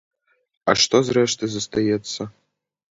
А што, зрэшты, застаецца?